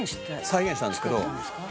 「再現したんですけど」